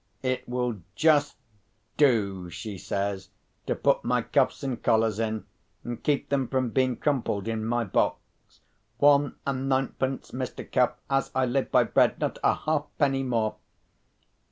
'It will just do,' she says, 'to put my cuffs and collars in, and keep them from being crumpled in my box.' One and ninepence, Mr. Cuff. As I live by bread, not a halfpenny more!"